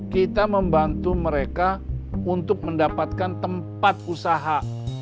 kita membantu mereka untuk mendapatkan tempat usaha